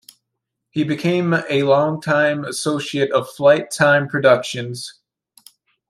He became a long-time associate of Flyte Tyme productions.